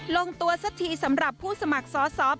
ลงตัวสักทีสำหรับผู้สมัครสอสอ